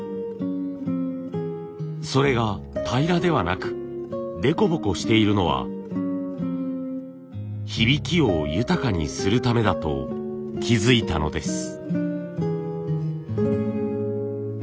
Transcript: それが平らではなく凸凹しているのは響きを豊かにするためだと気付いたのです。